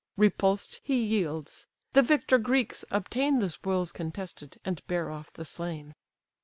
Repulsed he yields; the victor Greeks obtain The spoils contested, and bear off the slain.